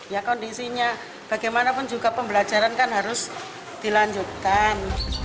ya kondisinya bagaimanapun juga pembelajaran kan harus dilanjutkan